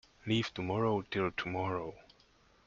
Leave tomorrow till tomorrow.